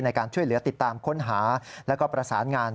ในการช่วยเหลือติดตามค้นหาแล้วก็ประสานงาน